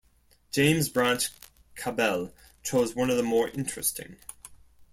James Branch Cabell chose one of the more interesting.